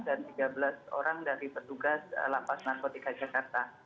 dan tiga belas orang dari petugas lapas narkotika yogyakarta